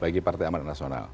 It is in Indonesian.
bagi partai amat nasional